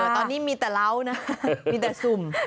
ตอนนี้มีแต่เหล้านะมีแต่สุ่ม